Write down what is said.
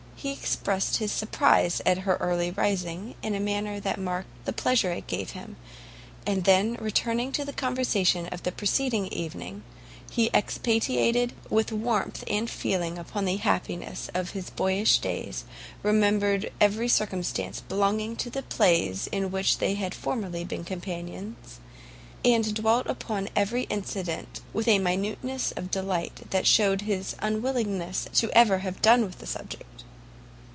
He expressed his surprize at her early rising, in a manner that marked the pleasure it gave to him; and then, returning to the conversation of the preceding evening, he expatiated with warmth and feeling upon the happiness of his boyish days, remembered every circumstance belonging to the plays in which they had formerly been companions, and dwelt upon every incident with a minuteness of delight that shewed his unwillingness ever to have done with the subject.